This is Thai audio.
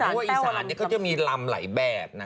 เพราะว่าอีสานเขาจะมีลำหลายแบบนะ